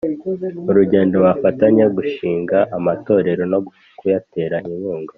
urugendo Bafatanyije gushinga amatorero no kuyatera inkunga